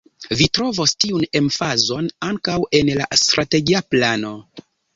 Vi trovos tiun emfazon ankaŭ en la strategia plano.